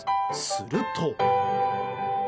すると。